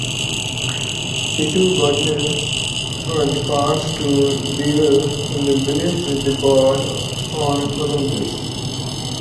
The two goddesses departed to dwell in bliss with the gods on Olympus.